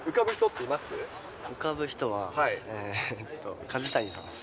浮かぶ人は、梶谷さんです。